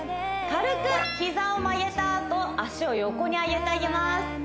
軽く膝を曲げたあと脚を横に上げてあげます